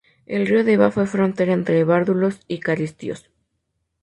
El río Deva fue frontera entre várdulos y caristios.